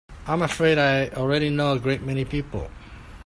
I'm afraid I already know a great many people.